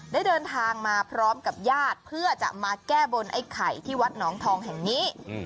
ได้เดินทางมาพร้อมกับญาติเพื่อจะมาแก้บนไอ้ไข่ที่วัดหนองทองแห่งนี้